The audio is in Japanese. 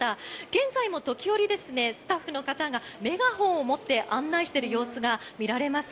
現在も時折、スタッフの方がメガホンを持って案内している様子が見られます。